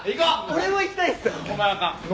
俺も行きたいっす！